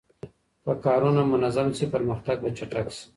که کارونه منظم سي پرمختګ به چټک سي.